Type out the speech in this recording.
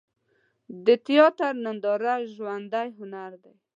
د تیاتر ننداره ژوندی هنر دی.